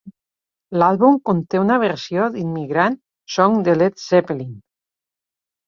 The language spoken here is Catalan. L'àlbum conté una versió d'Immigrant Song de Led Zeppelin.